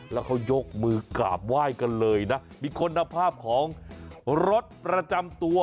แล้วเขายกมือกราบไหว้กันเลยนะมีคุณภาพของรถประจำตัว